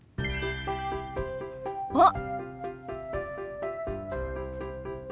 あっ！